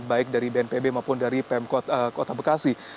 baik dari bnpb maupun dari pemkota bekasi